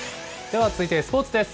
では続いてスポーツです。